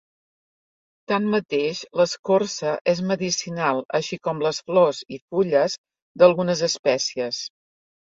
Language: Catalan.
Tanmateix, l'escorça és medicinal així com les flors i fulles d'algunes espècies.